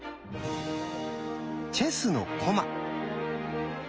チェスの駒。